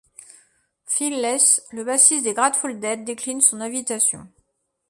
Phil Lesh, le bassiste des Grateful Dead, décline son invitation.